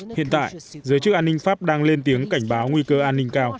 hiện tại giới chức an ninh pháp đang lên tiếng cảnh báo nguy cơ an ninh cao